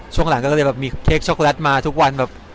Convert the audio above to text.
ช่วงหลังก็เลยแบบมีเค้กช็กแลตมาทุกวันแบบ